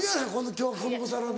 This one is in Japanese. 今日このお皿で。